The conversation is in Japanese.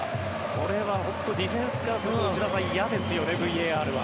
これはディフェンスからすると嫌ですよね、ＶＡＲは。